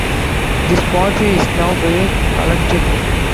This pottery is now very collectible.